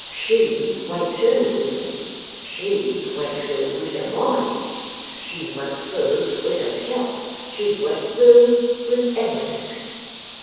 She went through with me, she went through with the Minders, she went through with herself, she went through with everythink.